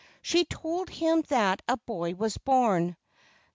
She told him that a boy was born.